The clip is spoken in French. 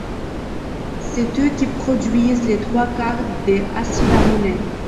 C’est eux qui produisent les trois quart des acides aminés.